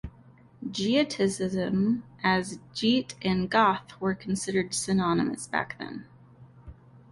"Geaticism", as "Geat" and "Goth" were considered synonymous back then.